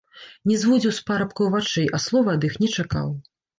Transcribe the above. Не зводзіў з парабкоў вачэй, а слова ад іх не чакаў.